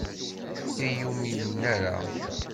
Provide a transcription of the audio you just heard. Ur iyi-uminen ara.